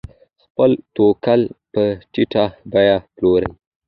خپل توکي په ټیټه بیه پلوري.